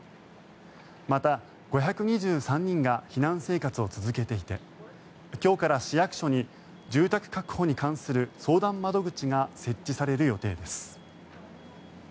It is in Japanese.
また、５２３人が避難生活を続けていて今日から市役所に住宅確保に関する相談窓口が設置される予定です。